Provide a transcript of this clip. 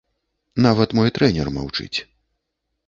Нават мой трэнер маўчыць.